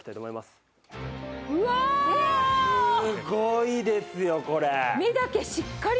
すごいですよこれ。